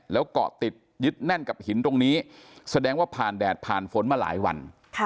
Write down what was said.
แล้วเกาะติดยึดแน่นกับหินตรงนี้แสดงว่าผ่านแดดผ่านฝนมาหลายวัน